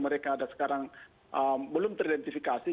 mereka ada sekarang belum teridentifikasi